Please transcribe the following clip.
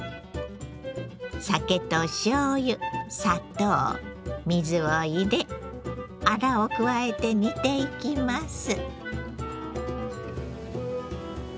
酒としょうゆ砂糖水を入れあらを加えて煮ていきます。